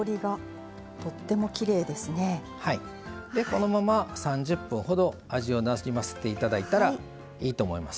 このまま３０分ほど味をなじませていただいたらいいと思います。